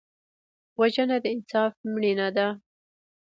وژنه د انصاف مړینه ده